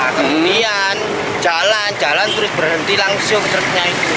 kemudian jalan jalan terus berhenti langsung truknya itu